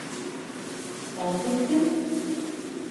Ант иттең?